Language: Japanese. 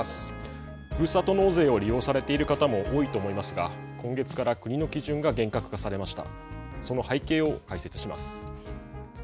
ふるさと納税を利用されている方も多いと思いますが今月から国の基準が厳格化されました。